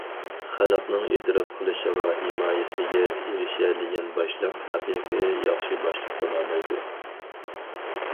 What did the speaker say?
خەلقنىڭ ئېتىراپ قىلىشىغا، ھىمايىسىگە ئېرىشەلىگەن باشلىق ھەقىقىي ياخشى باشلىق بولالايدۇ.